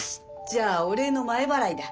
じゃあお礼の前払いだ。